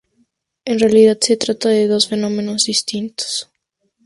En realidad se trata de dos fenómenos distintos.